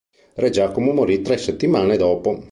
Re Giacomo morì tre settimane dopo.